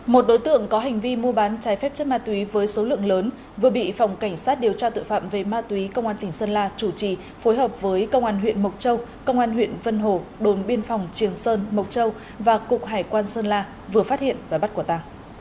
một đối tượng có hành vi mua bán trái phép chất ma túy với số lượng lớn vừa bị phòng cảnh sát điều tra tội phạm về ma túy công an tỉnh sơn la chủ trì phối hợp với công an huyện mộc châu công an huyện vân hồ đồn biên phòng trường sơn mộc châu và cục hải quan sơn la vừa phát hiện và bắt quả ta